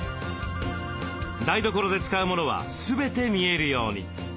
台所で使うモノは全て見えるように。